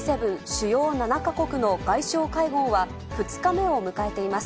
・主要７か国の外相会合は、２日目を迎えています。